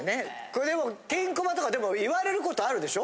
これでもケンコバとか言われる事あるでしょ？